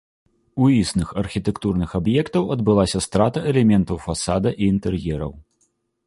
У існых архітэктурных аб'ектаў адбылася страта элементаў фасада і інтэр'ераў.